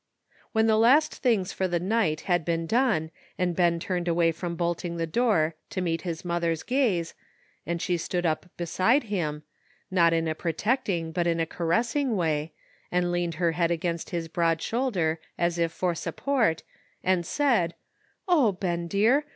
When the last things for the night had been done, and Ben turned away from bolting the door to meet his mother's gaze, and she stood up beside him, not in a protecting, but a caress ing way, and leaned her head against his broad shoulder as if for support, and said, " O, Ben, dear!